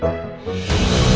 ya kita berhasil